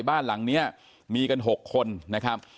บ้านหลังนี้มีกัน๖คนนะครับ